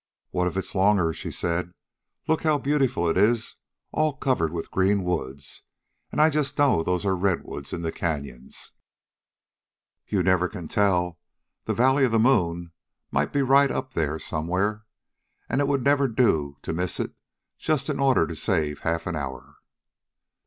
"What if it is longer?" she said. "Look how beautiful it is all covered with green woods; and I just know those are redwoods in the canyons. You never can tell. The valley of the moon might be right up there somewhere. And it would never do to miss it just in order to save half an hour."